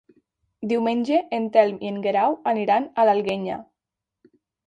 Diumenge en Telm i en Guerau aniran a l'Alguenya.